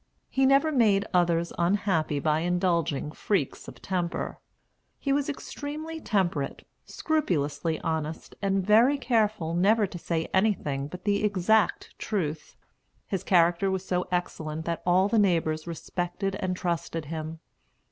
He never made others unhappy by indulging freaks of temper. He was extremely temperate, scrupulously honest, and very careful never to say anything but the exact truth. His character was so excellent that all the neighbors respected and trusted him.